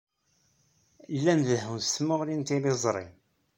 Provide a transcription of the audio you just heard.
Llan dehhun s tmuɣli n tliẓri.